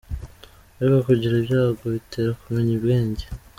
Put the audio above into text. Ariko kugira ibyago bitera kumenya ubwenge.